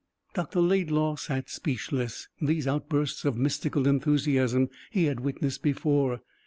Dr. Laidlaw sat speechless. These outbursts of mystical enthusiasm he had witnessed before.